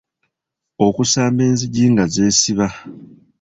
okusamba enzigi nga zeesiba